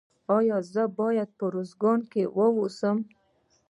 ایا زه باید په نیمروز کې اوسم؟